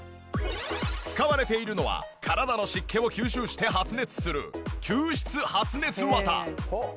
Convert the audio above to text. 使われているのは体の湿気を吸収して発熱する吸湿発熱綿。